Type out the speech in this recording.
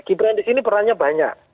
gibran disini perannya banyak